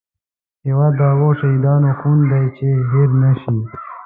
هیواد د هغو شهیدانو خون دی چې هېر نه شي